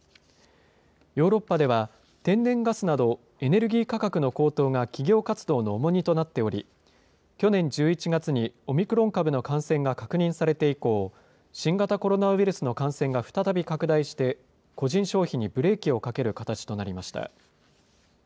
ヨーロッパでは、天然ガスなど、エネルギー価格の高騰が企業活動の重荷となっており、去年１１月にオミクロン株の感染が確認されて以降、新型コロナウイルスの感染が再び拡大して、個人消費にブレーキをかける形となりました。